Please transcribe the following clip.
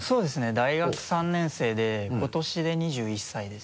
大学３年生で今年で２１歳です。